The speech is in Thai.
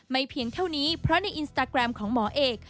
เพียงเท่านี้เพราะในอินสตาแกรมของหมอเอก